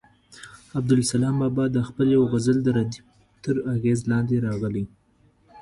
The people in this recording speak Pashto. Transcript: عبدالسلام بابا د خپل یوه غزل د ردیف تر اغېز لاندې راغلی.